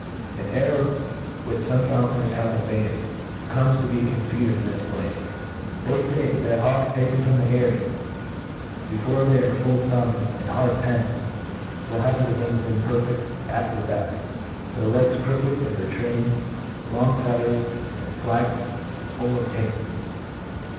An error which fome faulconers have advan ced comes to be confuted in this place. They fay , that hawks tsjken from the eyrie, before they are ful fummed and hard penned, will have their wiiigs imperfeQ: at their beft, their legs crooked, and their train, long feathers, and flags full of taints..